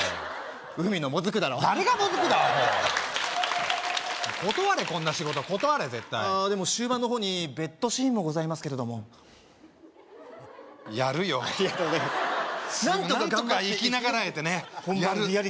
海のもずくだろ誰がもずくだアホ断れこんな仕事断れ絶対でも終盤の方にベッドシーンもございますけれどもやるよありがとうございます何とか頑張って何とか生きながらえてねやる